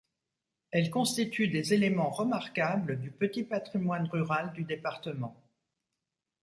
Elles constituent des éléments remarquables du petit patrimoine rural du département.